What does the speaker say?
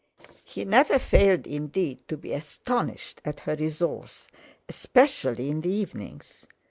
He never failed, indeed, to be astonished at her resource, especially in the evenings.